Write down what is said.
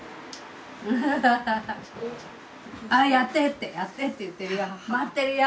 ああやってってやってって言ってるよ。